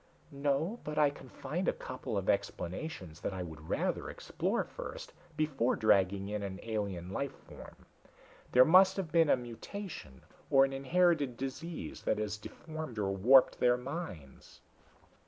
"No but I can find a couple of explanations that I would rather explore first, before dragging in an alien life form. There may have been a mutation or an inherited disease that has deformed or warped their minds."